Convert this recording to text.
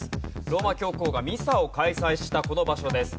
ローマ教皇がミサを開催したこの場所です。